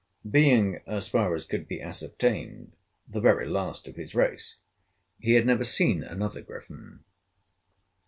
Being, as far as could be ascertained, the very last of his race, he had never seen another griffin.